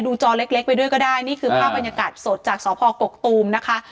จอเล็กไปด้วยก็ได้นี่คือภาพบรรยากาศสดจากสพกกตูมนะคะ